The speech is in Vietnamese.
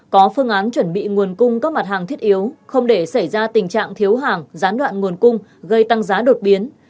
có phương án chuẩn bị nguồn cung các mặt hàng thiết yếu không để xảy ra tình trạng thiếu hàng gián đoạn nguồn cung gây tăng giá đột biến